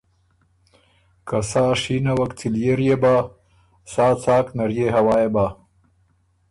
که سا ته شینه وک څِليېر يې بۀ، سا څاک نرئےهوا يې بۀ۔